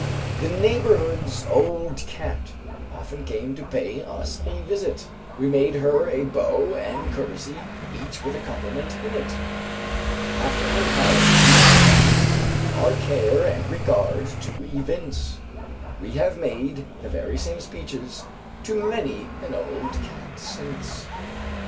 _ "The neighbour's old cat often Came to pay us a visit; We made her a bow and courtesy, Each with a compliment in it. After her health we asked, Our care and regard to evince; (We have made the very same speeches To many an old cat since)."